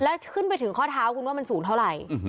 แล้วขึ้นไปถึงข้อเท้าคุณว่ามันสูงเท่าไหร่